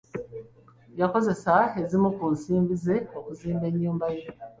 Yakozesa ezimu ku nsimbi ze okuzimba ennyumba ye